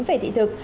về thị thực